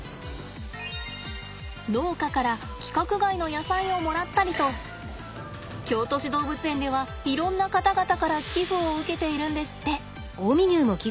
農家から規格外の野菜をもらったりと京都市動物園ではいろんな方々から寄付を受けているんですって。